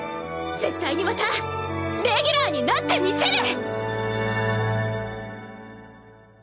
絶対にまたレギュラーになってみせる！